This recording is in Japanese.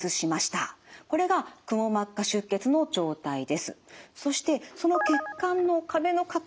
これがくも膜下出血の状態です。